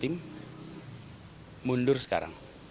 kalau memang ada yang membantu lebih baik mundur sekarang